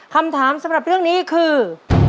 คำถามสำหรับเรื่องนี้คือ